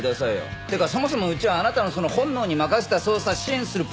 ってかそもそもうちはあなたのその本能に任せた捜査を支援する部署じゃないんだから！